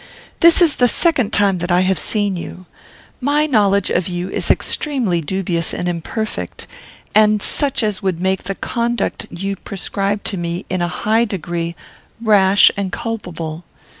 This is the second time that I have seen you. My knowledge of you is extremely dubious and imperfect, and such as would make the conduct you prescribe to me, in a high degree, rash and culpable.